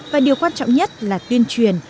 và điều quan trọng nhất là tuyên truyền